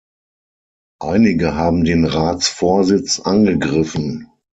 Einige haben den Ratsvorsitz angegriffen.